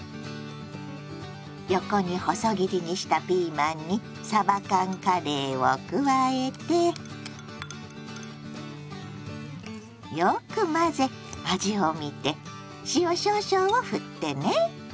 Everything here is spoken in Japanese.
横に細切りにしたピーマンにさば缶カレーを加えてよく混ぜ味を見て塩少々をふってね。